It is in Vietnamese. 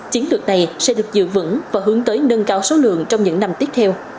chiến lược này sẽ được giữ vững và hướng tới nâng cao số lượng trong những năm tiếp theo